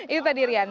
itu tadi rian